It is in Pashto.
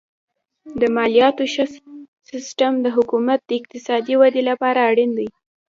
د مالیاتو ښه سیستم د حکومت د اقتصادي ودې لپاره اړین دی.